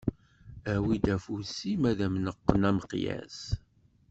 Awi-d afus-im, ad am-neqqen ameqyas.